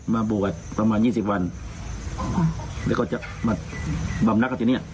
มาบวชประมาณยี่สิบวันแล้วก็จะมาบำนักกันทีเนี้ย